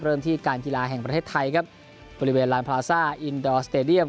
เริ่มที่การกีฬาแห่งประเทศไทยครับบริเวณลานพลาซ่าอินดอร์สเตดียม